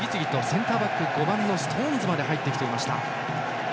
センターバック、５番ストーンズまで入っていました。